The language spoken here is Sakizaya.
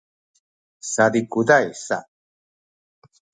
sazikuzay sa